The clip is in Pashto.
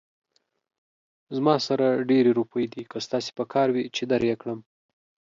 زما سره ډېرې روپۍ دي، که ستاسې پکار وي، چې در يې کړم